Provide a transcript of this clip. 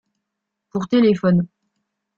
Pour téléphones.